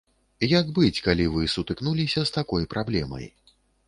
Як быць, калі вы сутыкнуліся з такой праблемай?